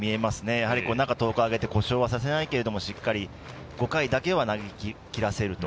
やはり、中１０日空けて故障はさせないけれどもしっかり５回だけは投げきらせると。